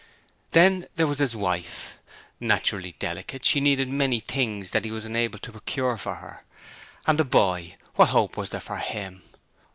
Then there was his wife. Naturally delicate, she needed many things that he was unable to procure for her. And the boy what hope was there for him?